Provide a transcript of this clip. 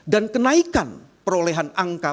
dan kenaikan perolehan angka